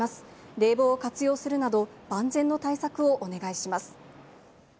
冷房を活用するなど、万全の対策をお願いします。